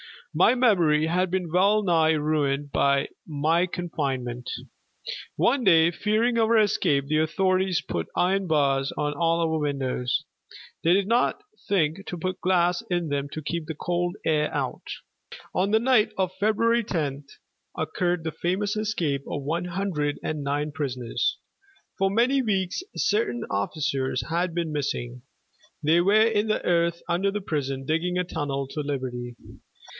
My memory had been well nigh ruined by my confinement. One day, fearing our escape, the authorities put iron bars on all our windows. They did not think to put glass in them to keep the cold air out. On the night of February 10 occurred the famous escape of one hundred and nine prisoners. For many weeks certain officers had been missing. They were in the earth under the prison, digging a tunnel to liberty.